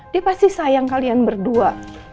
dia pasti sayang kalian berdua